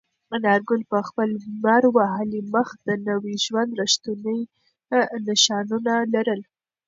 انارګل په خپل لمر وهلي مخ د نوي ژوند رښتونې نښانونه لرل.